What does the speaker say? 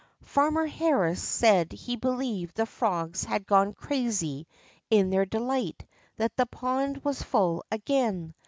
Farmer Harris said he believed the frogs had gone crazy in their delight that the pond was full again.